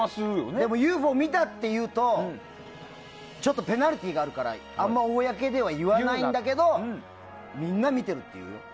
でも、ＵＦＯを見たっていうとペナルティーがあるから公では言わないんだけどみんな見てるっていう。